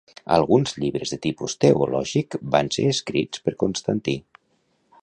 Alguns llibres de tipus teològic van ser escrits per Constantí.